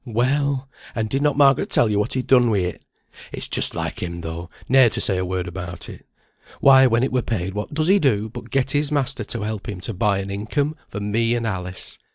"Well! and did not Margaret tell yo what he'd done wi' it? It's just like him though, ne'er to say a word about it. Why, when it were paid what does he do, but get his master to help him to buy an income for me and Alice.